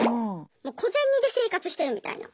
もう小銭で生活してるみたいな。